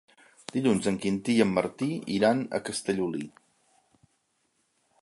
Dilluns en Quintí i en Martí iran a Castellolí.